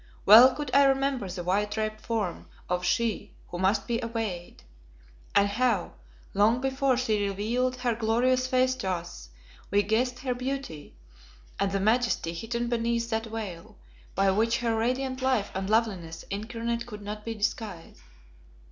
Well could I remember the white draped form of She Who Must Be Obeyed, and how, long before she revealed her glorious face to us, we guessed the beauty and the majesty hidden beneath that veil by which her radiant life and loveliness incarnate could not be disguised.